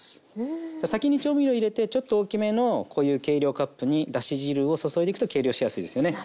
先に調味料入れてちょっと大きめのこういう計量カップにだし汁を注いでいくと計量しやすいですよね。